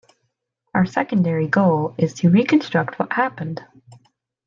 Our secondary goal is to reconstruct what happened.